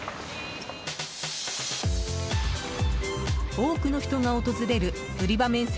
多くの人が訪れる売り場面積